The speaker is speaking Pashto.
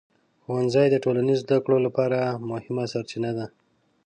ښوونځي د ټولنیز زده کړو لپاره مهمه سرچینه ده.